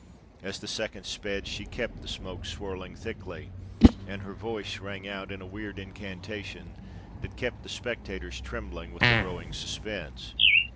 As the seconds sped, she kept the smoke swirling thickly, and her voice rang out in a weird incantation that kept the spectators trembling with the growing suspense.